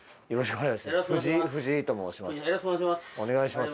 お願いします